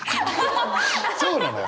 そうなのよ。